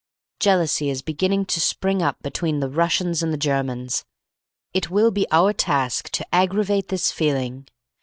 Jealousy is beginning to spring up between the Russians and the Germans. It will be our task to aggravate this feeling.